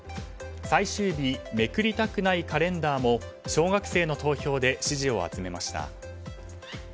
「最終日めくりたくないカレンダー」も小学生の投票で支持を集めました。